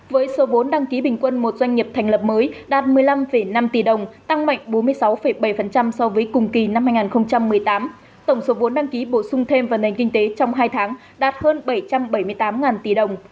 với số vốn đăng ký bình quân một doanh nghiệp thành lập mới đạt một mươi năm năm tỷ đồng tăng mạnh bốn mươi sáu bảy so với cùng kỳ năm hai nghìn một mươi tám tổng số vốn đăng ký bổ sung thêm vào nền kinh tế trong hai tháng đạt hơn bảy trăm bảy mươi tám tỷ đồng